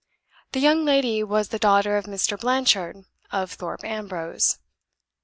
The young lady was the daughter of Mr. Blanchard, of Thorpe Ambrose.